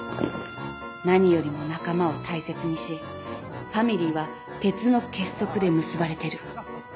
何よりも仲間を大切にしファミリーは鉄の結束で結ばれてる。